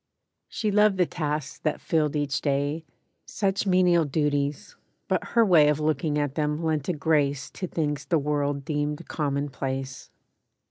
She loved the tasks that filled each day— Such menial duties; but her way Of looking at them lent a grace To things the world deemed commonplace.